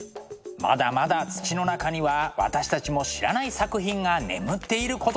まだまだ土の中には私たちも知らない作品が眠っていることでしょう。